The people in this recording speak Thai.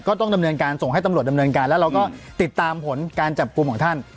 ก็ต้องดำเนินการส่งให้ตำรวจดำเนินการแล้วเราก็ติดตามผลการจับกลุ่มของท่าน